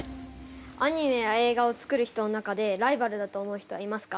アニメや映画を作る人の中でライバルだと思う人はいますか？